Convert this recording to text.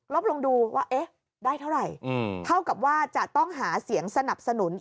ลงดูว่าเอ๊ะได้เท่าไหร่เท่ากับว่าจะต้องหาเสียงสนับสนุน